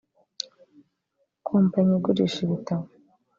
kompanyi igurisha ibitabo